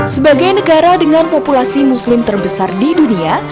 sebagai negara dengan populasi muslim terbesar di dunia